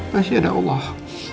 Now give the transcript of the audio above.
masih ada allah